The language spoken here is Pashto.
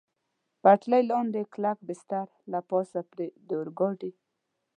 پټلۍ لاندې کلک بستر، له پاسه پرې د اورګاډي.